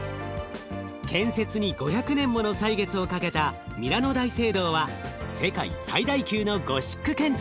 建設に５００年もの歳月をかけたミラノ大聖堂は世界最大級のゴシック建築。